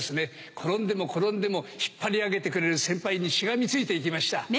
転んでも転んでも引っ張り上げてくれる先輩にしがみついて行きました。